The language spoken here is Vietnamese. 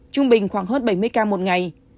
trung bình khoảng hơn bảy mươi ca một ngày